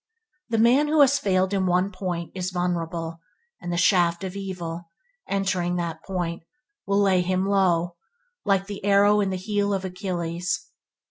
The man who has failed in one point is vulnerable, and the shaft of evil, entering that point, will lay him low, like the arrow in the heel of Achilles.